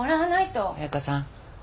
彩佳さん。